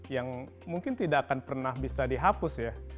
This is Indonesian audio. yang mungkin tidak akan pernah bisa dihapus ya